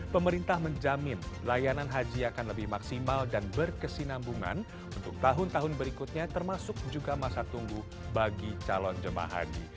pemerintah menjamin layanan haji akan lebih maksimal dan berkesinambungan untuk tahun tahun berikutnya termasuk juga masa tunggu bagi calon jemaah haji